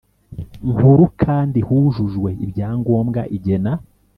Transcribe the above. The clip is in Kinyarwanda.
Nkuru kandi hujujwe ibyangombwa igena